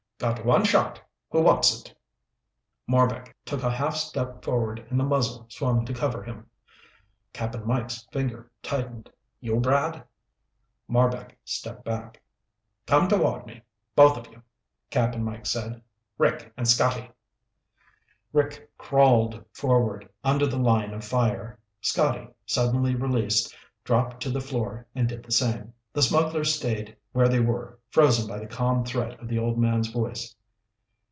Got one shot. Who wants it?" Marbek took a half step forward and the muzzle swung to cover him. Cap'n Mike's finger tightened. "You, Brad?" Marbek stepped back. "Come toward me, both of you," Cap'n Mike said. "Rick and Scotty." Rick crawled forward, under the line of fire. Scotty, suddenly released, dropped to the floor and did the same. The smugglers stayed where they were, frozen by the calm threat of the old man's voice.